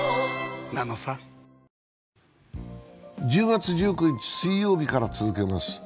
１０月１９日水曜日から続けます。